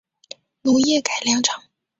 农业改良场